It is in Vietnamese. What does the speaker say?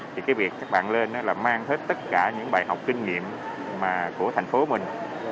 thì cái việc các bạn lên là mang hết tất cả những bài học kinh nghiệm của thành phố mình